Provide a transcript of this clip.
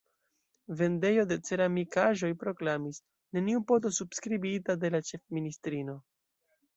Vendejo de ceramikaĵoj proklamis: “Neniu poto subskribita de la ĉefministrino.